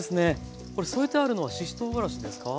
これ添えてあるのはししとうがらしですか？